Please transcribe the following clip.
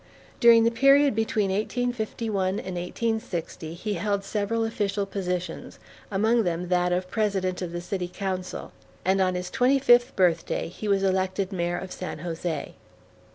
During the period between 1851 and 1860 he held several official positions, among them that of president of the City Council; and on his twenty fifth birthday he was elected Mayor of San Jose.